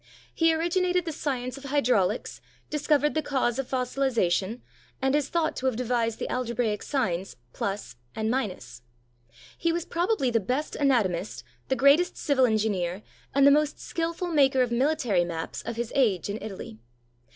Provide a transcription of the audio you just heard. He originated the science of hydrauUcs, discovered the cause of fossiliza tion, and is thought to have devised the algebraic signs f and —. He was probably the best anatomist, the greatest civil engineer, and the most skillful maker of military maps of his age in Italy.